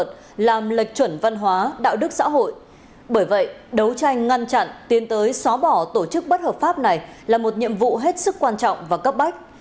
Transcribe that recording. bởi vậy đấu tranh ngăn chặn tiến tới xóa bỏ tổ chức bất hợp pháp này là một nhiệm vụ hết sức quan trọng và cấp bách